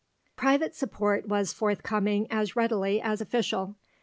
IV Private support was forthcoming as readily as official.